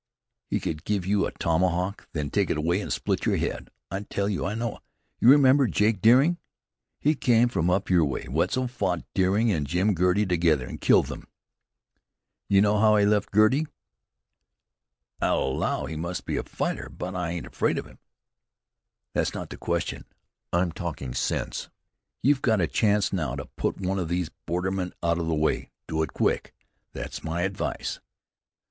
He could give you a tomahawk, then take it away and split your head. I tell you I know! You remember Jake Deering? He came from up your way. Wetzel fought Deering and Jim Girty together, and killed them. You know how he left Girty." "I'll allow he must be a fighter; but I ain't afraid of him." "That's not the question. I am talking sense. You've got a chance now to put one of these bordermen out of the way. Do it quick! That's my advice."